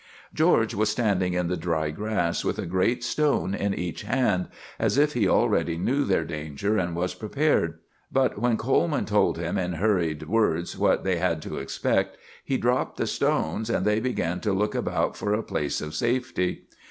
George was standing in the dry grass, with a great stone in each hand, as if he already knew their danger and was prepared; but when Coleman told him in hurried words what they had to expect, he dropped the stones, and they began to look about for a place of safety.